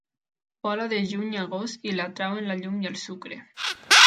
Vola de juny a agost i l'atrauen la llum i el sucre.